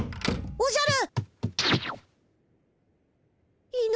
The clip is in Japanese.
おじゃる。